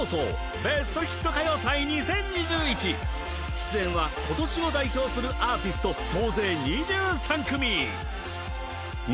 出演は今年を代表するアーティスト総勢２３組！